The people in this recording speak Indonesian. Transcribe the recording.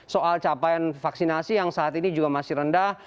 soal capaian vaksinasi yang saat ini juga masih rendah